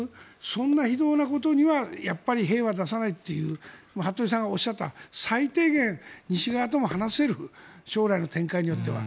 そんな非道なことには兵は出さないという服部さんがおっしゃった最低限、西側と話せる、将来の展開によっては。